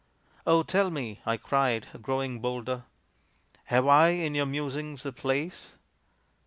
"Oh, tell me," I cried, growing bolder, "Have I in your musings a place?"